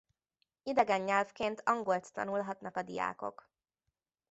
Idegen nyelvként angolt tanulhatnak a diákok.